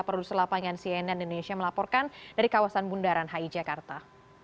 produser lapangan cnn indonesia melaporkan dari kawasan bundaran hi jakarta